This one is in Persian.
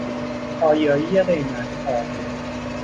پایایی قیمتها